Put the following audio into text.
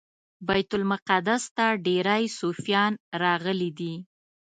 بیت المقدس ښار ته ډیری صوفیان راغلي دي.